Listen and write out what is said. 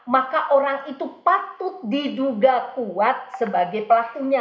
maka orang itu patut diduga kuat sebagai pelakunya